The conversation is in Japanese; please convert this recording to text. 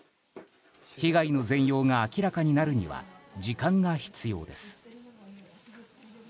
被害の全容が明らかになるには時間が必要です。